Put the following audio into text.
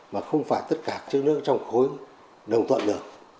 mà không phải tất cả các nước trong khối đồng tuận được